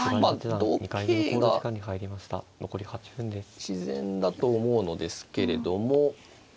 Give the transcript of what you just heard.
同桂が自然だと思うのですけれども。